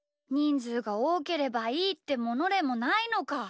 ずうがおおければいいってものでもないのか。